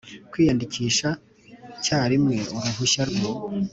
kwiyandikisha cyarimwe uruhushya rwo